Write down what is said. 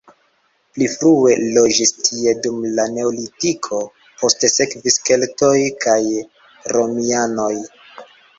Pli frue loĝis tie dum la neolitiko, poste sekvis keltoj kaj romianoj.